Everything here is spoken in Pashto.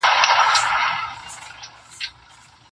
چي د ځوانیو هدیرې وژاړم!